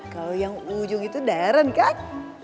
kalau yang ujung itu darn kan